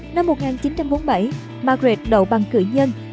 năm một nghìn chín trăm bốn mươi bảy margaret đậu bằng cử nhân